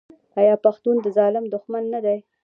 آیا پښتون د ظالم دښمن نه دی؟